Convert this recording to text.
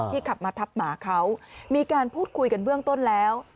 ขับมาทับหมาเขามีการพูดคุยกันเบื้องต้นแล้ว